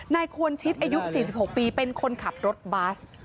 นายควรชิดอายุ๔๖ปีเป็นคนขับรถบัส